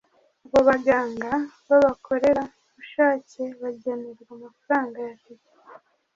Abo baganga b’abakorera bushake bagenerwa amafaranga ya tike